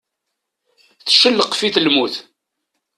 Teccelqef-it lmut.